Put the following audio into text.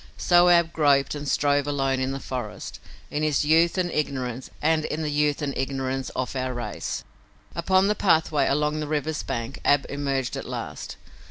So Ab groped and strove alone in the forest, in his youth and ignorance, and in the youth and ignorance of our race. Upon the pathway along the river's bank Ab emerged at last.